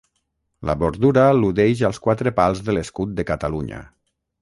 La bordura al·ludeix als quatre pals de l'escut de Catalunya.